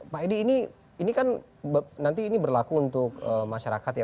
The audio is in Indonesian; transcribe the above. pak edi ini kan nanti ini berlaku untuk masyarakat ya